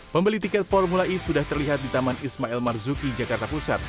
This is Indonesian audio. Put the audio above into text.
pembeli tiket formula e sudah terlihat di taman ismail marzuki jakarta pusat